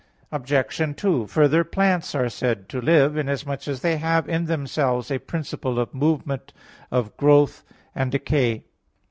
Obj. 2: Further, plants are said to live, inasmuch as they have in themselves a principle of movement of growth and decay.